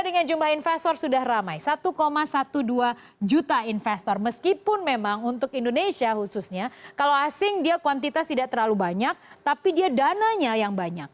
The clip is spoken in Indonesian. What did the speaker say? dengan jumlah investor sudah ramai satu dua belas juta investor meskipun memang untuk indonesia khususnya kalau asing dia kuantitas tidak terlalu banyak tapi dia dananya yang banyak